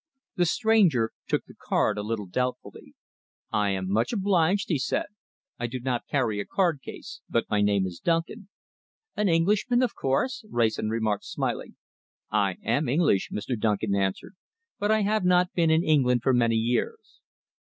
The stranger took the card a little doubtfully. "I am much obliged," he said. "I do not carry a card case, but my name is Duncan." "An Englishman, of course?" Wrayson remarked smiling. "I am English," Mr. Duncan answered, "but I have not been in England for many years."